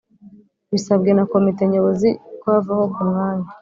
bisabwe na Komite Nyobozi kwavaho kumwanya